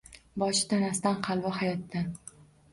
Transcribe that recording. Boshi tanasidan, qalbi hayotdan